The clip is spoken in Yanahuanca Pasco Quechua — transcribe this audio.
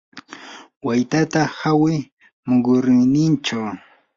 waytata hawi muyurinninchaw.